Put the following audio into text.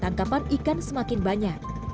tangkapan ikan semakin banyak